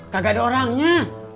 gak ada orangnya